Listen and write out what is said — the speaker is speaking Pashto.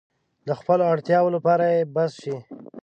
د خپلو اړتیاوو لپاره يې بس شي.